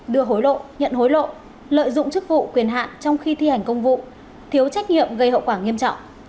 đưa hối lộ nhận hối lộ lợi dụng chức vụ quyền hạn trong khi thi hành công vụ thiếu trách nhiệm gây hậu quả nghiêm trọng